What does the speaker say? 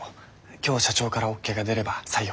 今日社長からオーケーが出れば採用。